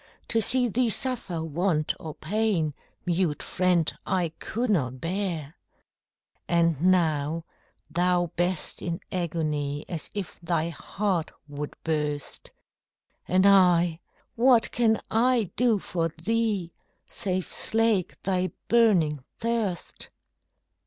To see thee suffer want or pain, Mute friend I could not bear; And now, thou best in agony, As if thy heart would burst, And I, what can I do for thee, Save slake thy burning thirst?